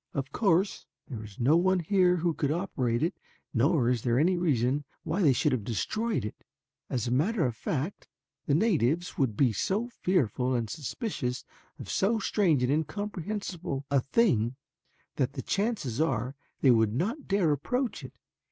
Of course there is no one here who could operate it nor is there any reason why they should have destroyed it. As a matter of fact, the natives would be so fearful and suspicious of so strange and incomprehensible a thing that the chances are they would not dare approach it.